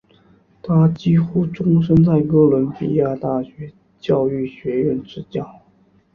他几乎终生在哥伦比亚大学教育学院执教。